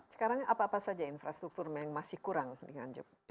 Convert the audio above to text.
sekarang apa apa saja infrastruktur yang masih kurang di nganjuk